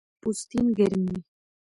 پوستین ګرم وي